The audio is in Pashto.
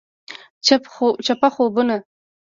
چپه خوبونه …